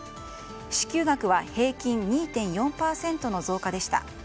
支給額は平均２．４％の増加でした。